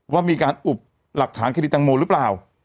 ว่ามีการอุบหลักฐานคดีตังโมหรือเปล่า